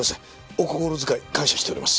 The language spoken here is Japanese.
お心遣い感謝しております。